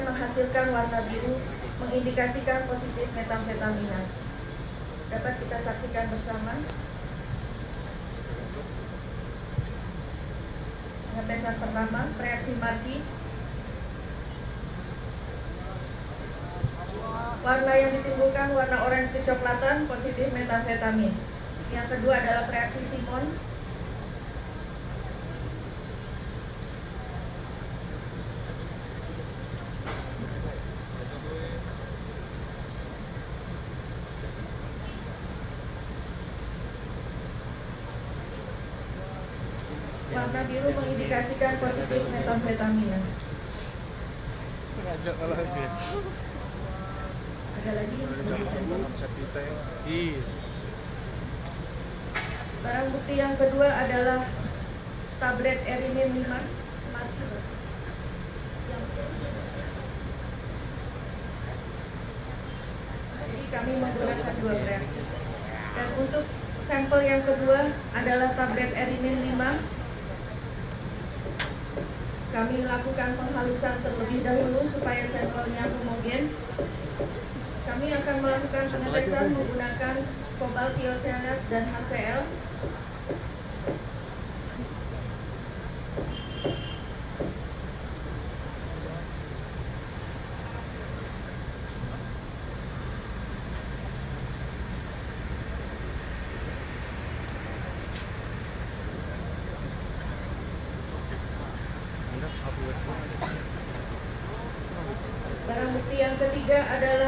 kepala badan akreditas nasional